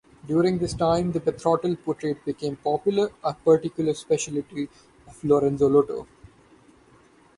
During this time, the betrothal portrait became popular, a particular specialty of Lorenzo Lotto.